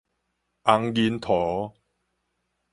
紅仁塗